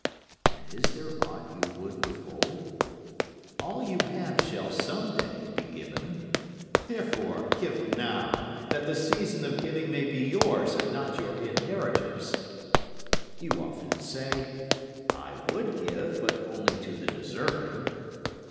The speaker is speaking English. And is there aught you would withhold? All you have shall some day be given; Therefore give now, that the season of giving may be yours and not your inheritors'. You often say, "I would give, but only to the deserving."